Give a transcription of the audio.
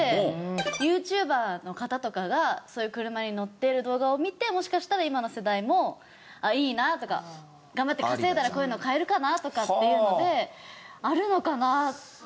ＹｏｕＴｕｂｅｒの方とかがそういう車に乗ってる動画を見てもしかしたら今の世代もああいいなとか頑張って稼いだらこういうの買えるかなとかっていうのであるのかなって。